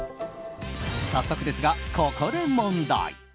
早速ですが、ここで問題！